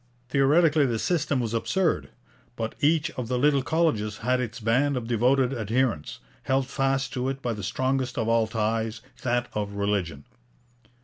Theoretically this system was absurd. But each of the little colleges had its band of devoted adherents, held fast to it by the strongest of all ties, that of religion.